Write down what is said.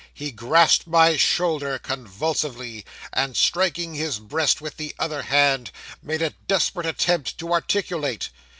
He grasped my shoulder convulsively, and, striking his breast with the other hand, made a desperate attempt to articulate.